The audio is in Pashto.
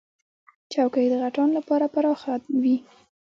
چوکۍ د غټانو لپاره پراخه وي.